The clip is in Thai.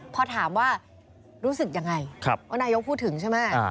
พอถามว่ารู้สึกยังไงว่านายกพูดถึงใช่ไหม